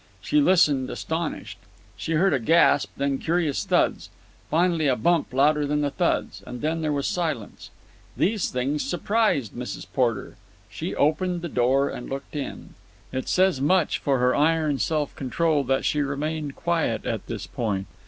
She listened, astonished. She heard a gasp, then curious thuds, finally a bump louder than the thuds. And then there was silence. These things surprised Mrs. Porter. She opened the door and looked in. It says much for her iron self control that she remained quiet at this point.